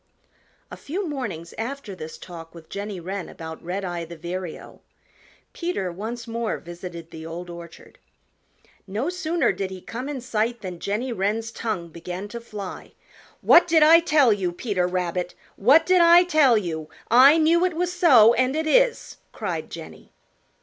A few mornings after this talk with Jenny Wren about Redeye the Vireo Peter once more visited the Old Orchard. No sooner did he come in sight than Jenny Wren's tongue began to fly. "What did I tell you, Peter Rabbit? What did I tell you? I knew it was so, and it is!" cried Jenny.